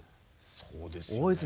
そうですよね